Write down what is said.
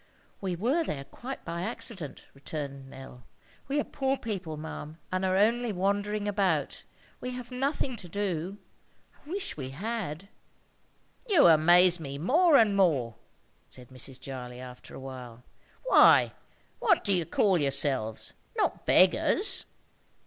"We were there quite by accident," returned Nell; "we are poor people, ma'am, and are only wandering about. We have nothing to do; I wish we had." "You amaze me more and more," said Mrs. Jarley after a while. "Why, what do you call yourselves? Not beggars?"